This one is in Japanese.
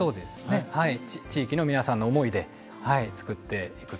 地域の皆さんの思いでつくっていくと。